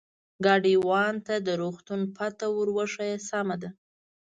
ګاډیوان ته د روغتون پته ور وښیه، سمه ده.